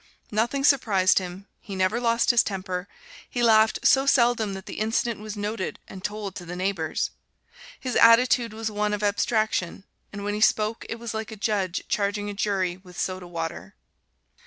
Nothing surprised him; he never lost his temper; he laughed so seldom that the incident was noted and told to the neighbors; his attitude was one of abstraction, and when he spoke it was like a judge charging a jury with soda water.